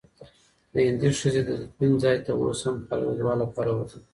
د هندۍ ښځي د تدفین ځای ته اوس هم خلک د دعا لپاره ورځي.